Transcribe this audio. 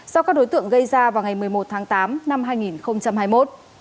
do các đối tượng gây ra vào ngày một mươi một tháng tám năm hai nghìn hai mươi một